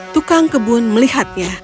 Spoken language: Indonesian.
tukang kebun melihatnya